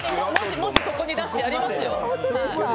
文字、ここに出してやりますよ。